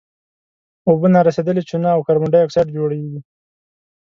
اوبه نارسیدلې چونه او کاربن ډای اکسایډ جوړیږي.